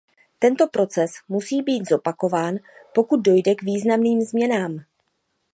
Tento proces musí být zopakován, pokud dojde k významným změnám.